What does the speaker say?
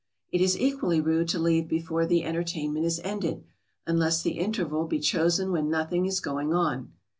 ] It is equally rude to leave before the entertainment is ended, unless the interval be chosen when nothing is going on.